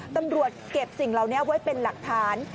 ตำรวจเก็บสิ่งเหล่านี้ไว้เป็นหลักฐาน